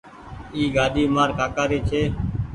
اي گآڏي مآر ڪآڪآ ري ڇي